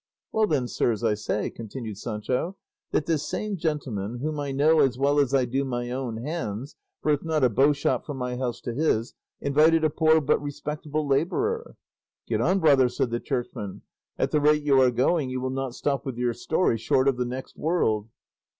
"Well then, sirs, I say," continued Sancho, "that this same gentleman, whom I know as well as I do my own hands, for it's not a bowshot from my house to his, invited a poor but respectable labourer—" "Get on, brother," said the churchman; "at the rate you are going you will not stop with your story short of the next world."